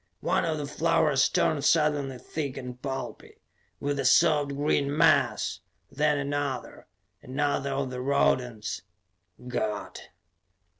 One of the flowers turned suddenly thick and pulpy with the soft green mass, then another, another of the rodents ... _God!